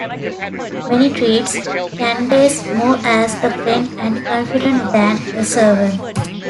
Mary treats Candace more as a friend and confidant than a servant.